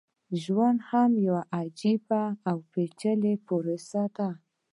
ژوند هم يوه عجيبه او پېچلې پروسه ده.